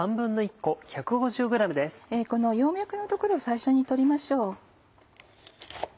この葉脈のところを最初に取りましょう。